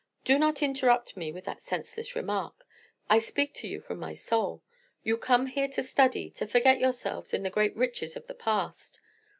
"Do not interrupt me with that senseless remark. I speak to you from my soul. You come here to study, to forget yourselves in the great riches of the past.